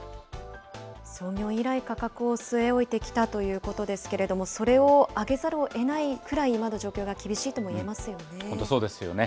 創業以来価格を据え置いてきたということですけれども、それを上げざるをえないくらいまで今の状況が厳しいというのは言本当そうですよね。